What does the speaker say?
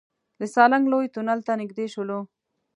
د سالنګ لوی تونل ته نزدې شولو.